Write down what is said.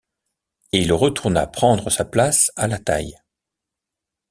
Et il retourna prendre sa place à la taille.